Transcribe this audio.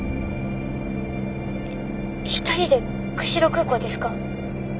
一人で釧路空港ですか？